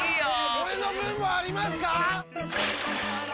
俺の分もありますか！？